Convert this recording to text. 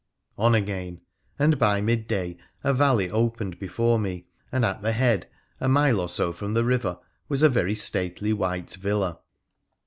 On again, and by midday a valley opened before me, and at the head, a mile or so from the river, was a very stately white villa.